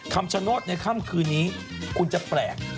คำชโนธในค่ำคืนนี้คุณจะแปลก